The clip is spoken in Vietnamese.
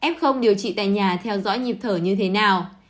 f điều trị tại nhà theo dõi nhịp thở như thế nào